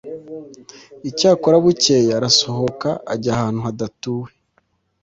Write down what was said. Icyakora bukeye arasohoka ajya ahantu hadatuwe